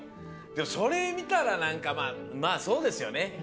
それみたらなんかまあそうですよね。